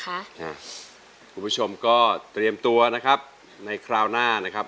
คุณผู้ชมก็เตรียมตัวนะครับในคราวหน้านะครับ